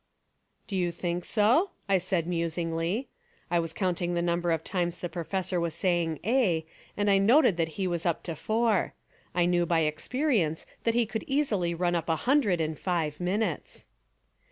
"Do you think so?" I said musingly. I was counting the number of times the professor was saying "eh" and I noted that he was up to four. I knew by experience that he could easily run up a hundred in five minutes.